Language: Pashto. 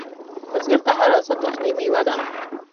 بزګر ته هر حاصل د خولې میوه ده